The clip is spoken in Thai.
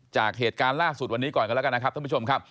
จากเหตุการณ์ล่าสุดวันนี้ก่อนกันแล้วกันนะครับท่านผู้ชมครับ